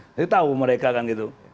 nanti tahu mereka kan gitu